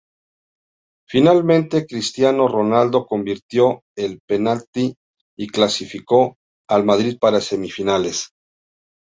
Finalmente Cristiano Ronaldo convirtió el penalti y clasificó al Madrid para semifinales.